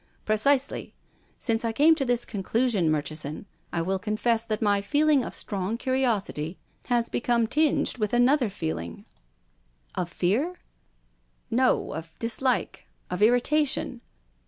" Precisely. Since I came to this conclusion, Murchison, I will confess that my feeling of strong curiosity has become tinged with another feeling." 292 TONGUES OF CONSCIENCE. " Of fear ?'" No, of dislike, of irritation.